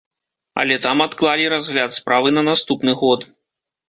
Але там адклалі разгляд справы на наступны год.